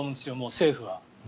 政府は。